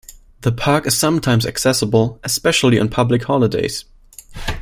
The park is sometimes accessible, especially on public holidays.